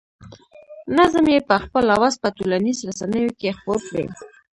نظم یې په خپل اواز په ټولنیزو رسنیو کې خپور کړی.